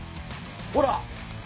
ほら！